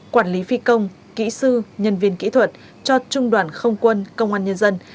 quản lý phi công kỹ sư nhân viên kỹ thuật cho trung đoàn không quân công an nhân dân